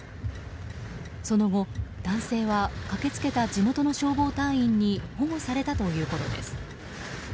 その後、男性は駆けつけた地元の消防隊員に保護されたということです。